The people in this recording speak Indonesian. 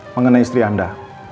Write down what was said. mengenai istri anda